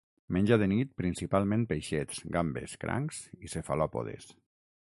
Menja de nit principalment peixets, gambes, crancs i cefalòpodes.